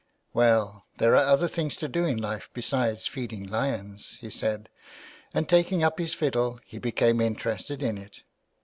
'' Well, there are other things to do in life besides feeding lions," he said, and taking up his fiddle he became interested in it.